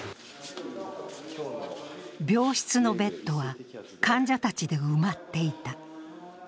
病室のベッドは患者たちで埋まっていた。